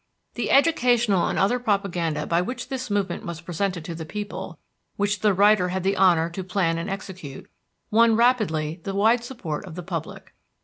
The educational and other propaganda by which this movement was presented to the people, which the writer had the honor to plan and execute, won rapidly the wide support of the public.